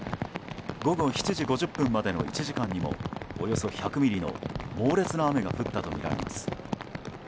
午後７時５０分までの１時間にもおよそ１００ミリの猛烈な雨が降ったとみられます。